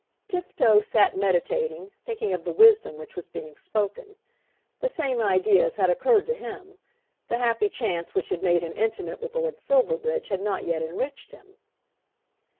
Tifto sat meditating, thinking of the wisdom which was being spoken. The same ideas had occurred to him. The happy chance which had made him intimate with Lord Silverbridge had not yet enriched him.